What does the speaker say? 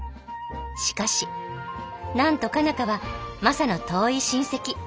しかしなんと佳奈花はマサの遠い親戚。